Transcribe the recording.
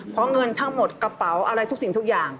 เพราะเงินทั้งหมดกระเป๋าอะไรทุกสิ่งทุกอย่าง